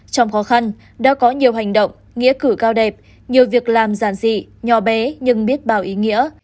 trong khó khăn đã có nhiều hành động nghĩa cử cao đẹp nhiều việc làm giản dị nhỏ bé nhưng biết bào ý nghĩa